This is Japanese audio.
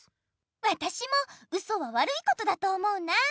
わたしもウソはわるいことだと思うな。